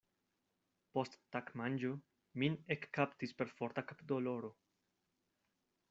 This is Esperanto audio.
Post tagmanĝo, min ekkaptis perforta kapdoloro.